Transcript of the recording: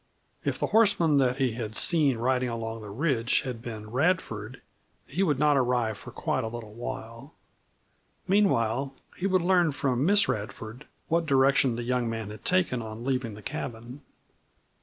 If the horseman that he had seen riding along the ridge had been Radford he would not arrive for quite a little while. Meantime, he would learn from Miss Radford what direction the young man had taken on leaving the cabin.